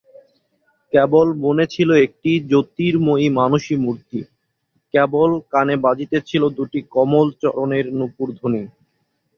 কেবল মনে ছিল একটি জ্যোতির্ময়ী মানসী মূর্তি, কেবল কানে বাজিতেছিল দুটি কমলচরণের নূপুরধ্বনি।